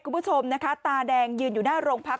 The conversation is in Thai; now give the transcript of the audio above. คุณผู้ชมนะคะตาแดงยืนอยู่หน้าโรงพัก